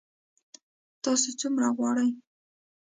تاسو څومره غواړئ؟